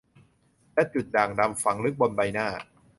และจุดด่างดำฝังลึกบนใบหน้า